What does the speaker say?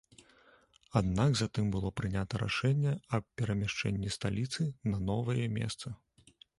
Аднак затым было прынята рашэнне аб перамяшчэнні сталіцы на новае месца.